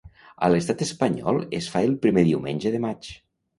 A l'Estat Espanyol es fa el primer diumenge de maig.